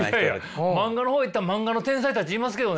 漫画の方行ったら漫画の天才たちいますけどね。